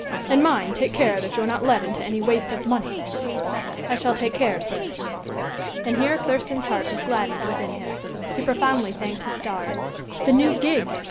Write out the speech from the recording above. "And mind, take care that you are not led into any waste of money." "I shall take care, sir." And here Thurston's heart was gladdened within him. He profoundly thanked his stars. The new gig!